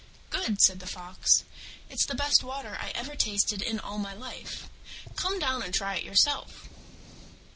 "Good?" said the Fox, "it's the best water I ever tasted in all my life. Come down and try it yourself."